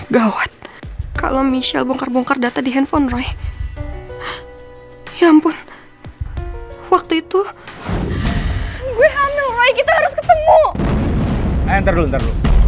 gawat kalau michelle bongkar bongkar data di handphone roy ya ampun waktu itu